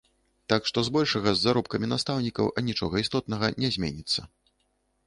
Так што збольшага з заробкамі настаўнікаў анічога істотнага не зменіцца.